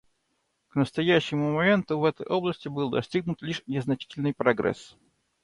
К настоящему моменту в этой области был достигнут лишь незначительный прогресс.